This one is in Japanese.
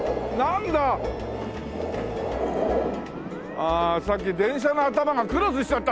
ああさっき電車の頭がクロスしちゃった